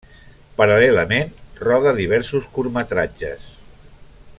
Paral·lelament, roda diversos curtmetratges.